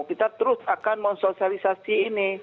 kita terus akan mensosialisasi ini